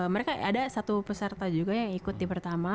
mereka ada satu peserta juga yang ikutin pertama